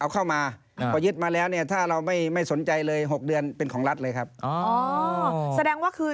กรมรวจเขาจะตั้งเขาหา